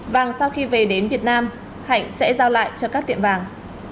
vàng sau khi về đến việt nam hạnh sẽ giao lại cho các tiệm vàng